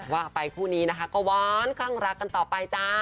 ว่าไปคู่นี้นะคะก็ว้านข้างรักกันต่อไปจ้า